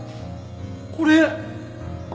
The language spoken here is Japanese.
これ！